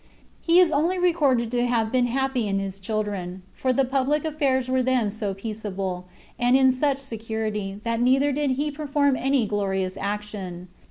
He is only recorded to have been happy in his children; for the public affairs were then so peaceable, and in such security, that neither did he perform any glorious action.